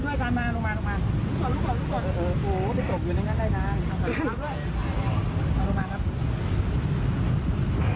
มาลงมาลงมาลงมาลุกก่อนลุกก่อนเออเออโอ้ไม่ตกอยู่ในนั้นได้น่ะ